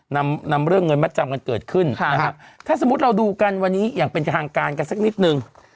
นำนำเรื่องเงินมัดจำกันเกิดขึ้นนะครับถ้าสมมุติเราดูกันวันนี้อย่างเป็นทางการกันสักนิดนึง